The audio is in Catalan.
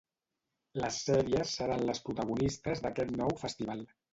Les sèries seran les protagonistes d'aquest nou festival.